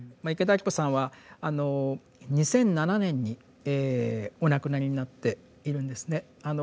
池田晶子さんはあの２００７年にお亡くなりになっているんですね。